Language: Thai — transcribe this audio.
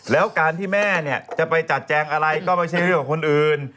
แล้วการที่แม่เนี่ยจะไปจัดแจงอะไรก็ไม่ใช่เรื่องของคนอื่น